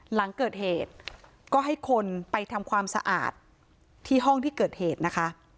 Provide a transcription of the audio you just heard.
หลังเกิดเหตุก็ให้คนไปทำความสะอาดที่ห้องที่เกิดเหตุนะคะ